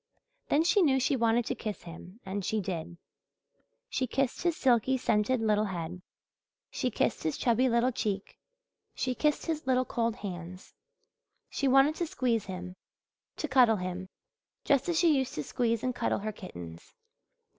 Then she knew she wanted to kiss him and she did. She kissed his silky, scented little head, she kissed his chubby little cheek, she kissed his little cold hands. She wanted to squeeze him to cuddle him, just as she used to squeeze and cuddle her kittens.